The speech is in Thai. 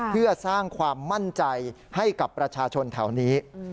เพื่อสร้างความมั่นใจให้กับประชาชนแถวนี้